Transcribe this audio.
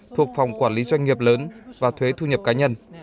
thuộc phòng quản lý doanh nghiệp lớn và thuế thu nhập cá nhân